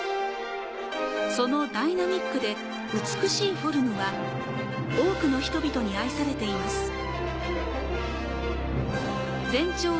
そのダイナミックで美しいフォルムは、多くの人々に愛されています。